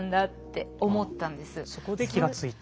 そこで気が付いた。